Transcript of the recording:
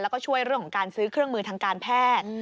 แล้วก็ช่วยเรื่องของการซื้อเครื่องมือทางการแพทย์